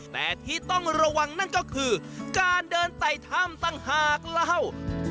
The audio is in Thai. แต่ที่ต้องระวังนั่นก็คือการเดินไต่ถ้ำต่างหากเล่า